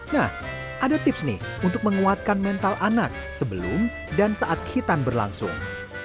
nah ada tips nih untuk menguatkan mental anak sebelum dan saat hitan berlangsung